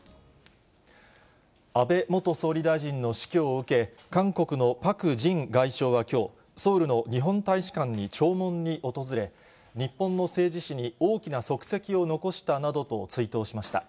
安倍元総理大臣の死去を受け、韓国のパク・ジン外相はきょう、ソウルの日本大使館に弔問に訪れ、日本の政治史に大きな足跡を残したなどと追悼しました。